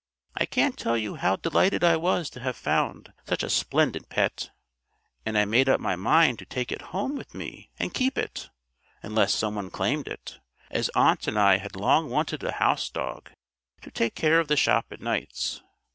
I can't tell you how delighted I was to have found such a splendid pet; and I made up my mind to take it home with me and keep it, unless some one claimed it; as aunt and I had long wanted a house dog to take care of the shop at nights.